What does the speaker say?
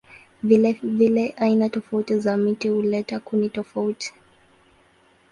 Vilevile aina tofauti za miti huleta kuni tofauti.